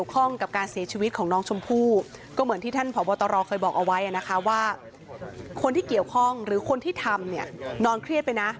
วตรเคยบอกเอาไว้ว่าคนที่เกี่ยวข้องหรือคนที่ทำนอนเครียดไปนะ